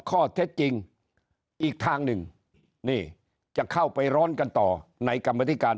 ข้อเท็จจริงอีกทางหนึ่งนี่จะเข้าไปร้อนกันต่อในกรรมธิการ